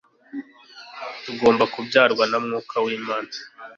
tugomba kubyarwa na mwuka w'imana